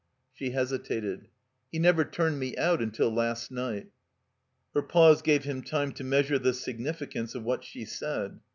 She hesitated. "He never turned me out until last night." Her pause gave him time to measure the signifi cance of what she said.